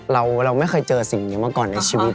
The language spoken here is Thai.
เราไม่เคยเจอสิ่งนี้มาก่อนในชีวิต